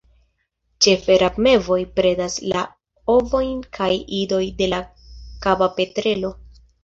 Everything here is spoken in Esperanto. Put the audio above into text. Ĉefe rabmevoj predas la ovojn kaj idojn de la Kaba petrelo.